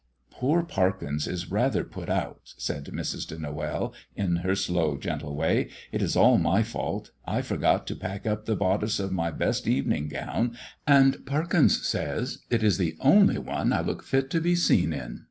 "Poor Parkins is rather put out," said Mrs. de Noël in her slow gentle way. "It is all my fault. I forgot to pack up the bodice of my best evening gown, and Parkins says it is the only one I look fit to be seen in."